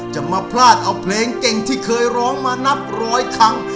จะมาพลาดเอาเพลงเก่งที่เคยร้องมานับร้อยครั้ง